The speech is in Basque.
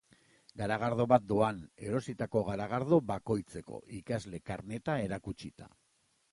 Garagardo bat doan, erositako garagardo bakoitzeko, ikasle karneta erakutsita.